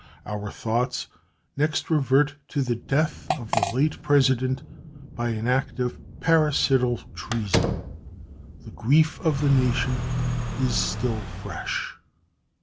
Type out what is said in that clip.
Our thoughts next revert to the death of the late President by an act of parricidal treason. The grief of the nation is still fresh.